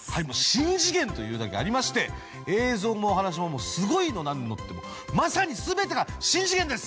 しん次元というだけありまして映像もお話ももうすごいのなんのってまさに全てがしん次元です！